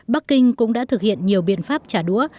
bắc kinh cũng đã thực hiện nhiều biện pháp trả đũa